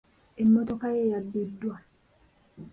Emmotoka ye yabbiddwa.